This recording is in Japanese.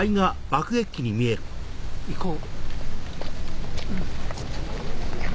行こう。